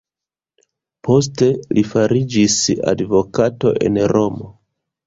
Poste li fariĝis advokato en Romo.